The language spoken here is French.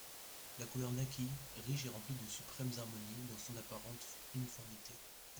La couleur naquit, riche et remplie de suprêmes harmonies dans son apparente uniformité.